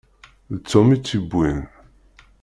D Tom i t-yewwin.